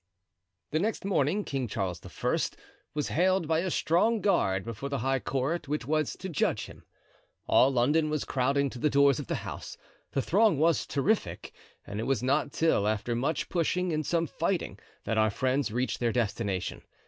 The next morning King Charles I. was haled by a strong guard before the high court which was to judge him. All London was crowding to the doors of the house. The throng was terrific, and it was not till after much pushing and some fighting that our friends reached their destination.